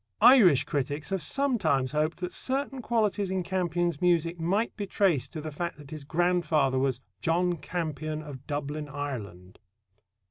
Irish critics have sometimes hoped that certain qualities in Campion's music might be traced to the fact that his grandfather was "John Campion of Dublin, Ireland."